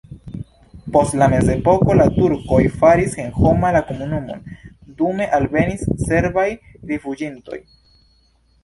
Post la mezepoko la turkoj faris senhoma la komunumon, dume alvenis serbaj rifuĝintoj.